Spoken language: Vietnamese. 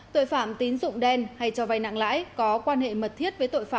tội phạm tín dụng đen hay cho vay nặng lãi có quan hệ mật thiết với tội phạm